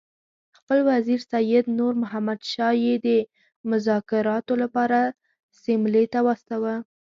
خپل وزیر سید نور محمد شاه یې د مذاکراتو لپاره سیملې ته واستاوه.